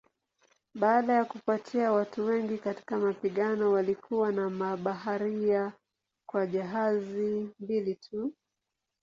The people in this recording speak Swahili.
Baada ya kupotea watu wengi katika mapigano walikuwa na mabaharia kwa jahazi mbili tu.